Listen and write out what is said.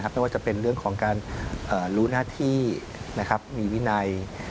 ไม่ว่าจะเป็นเรื่องของการรู้หน้าที่มีวินัย